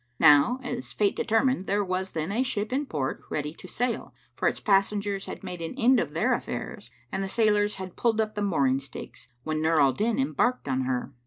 Now as Fate determined there was then a ship in port ready to sail, for its passengers had made an end of their affairs[FN#550] and the sailors had pulled up the mooring stakes, when Nur al Din embarked in her.